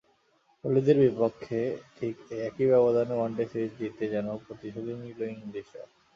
কোহলিদের বিপক্ষে ঠিক একই ব্যবধানে ওয়ানডে সিরিজ জিতে যেন প্রতিশোধই নিল ইংলিশরা।